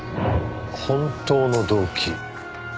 本当の動機？